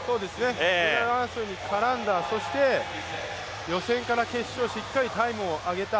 メダル争いに絡んだそして予選から決勝でしっかりタイムを上げた。